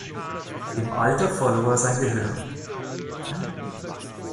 Im Alter verlor er sein Gehör.